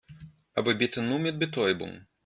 Aber bitte nur mit Betäubung.